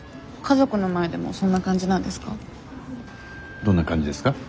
どんな感じですか？